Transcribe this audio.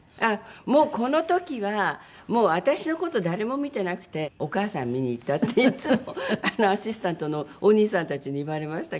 この時は私の事誰も見てなくてお母さん見に行ったっていつもアシスタントのお兄さんたちに言われましたけど。